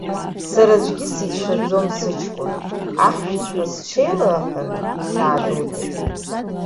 Сара аӡәгьы сицәшәаӡом, сыҷкәын ахьышәҭ ҳәа сҽеилаҳәаны саадәылҟьеит.